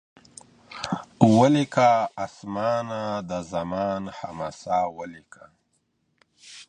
ولیکه اسمانه د زمان حماسه ولیکه.